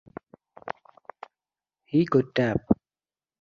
He could tap.